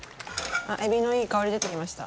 エビのいい香り出てきました。